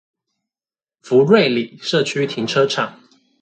福瑞里社區停車場